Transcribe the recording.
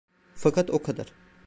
Fakat o kadar.